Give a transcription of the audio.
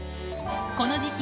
この時季